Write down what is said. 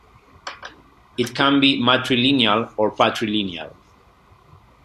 It can be matrilineal or patrilineal.